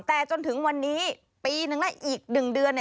แต่จนถึงวันนี้ปีนึงและอีก๑เดือน